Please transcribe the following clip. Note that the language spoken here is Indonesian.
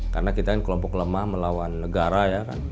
karena kita kan kelompok lemah melawan negara ya kan